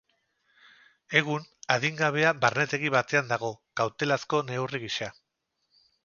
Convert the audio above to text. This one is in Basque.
Egun, adingabea barnetegi batean dago, kautelazko neurri gisa.